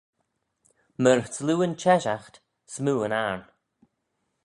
Myr sloo yn cheshaght smoo yn ayrn